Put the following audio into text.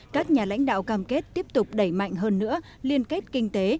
các nhà lãnh đạo cam kết tiếp tục đẩy mạnh hơn nữa liên kết kinh tế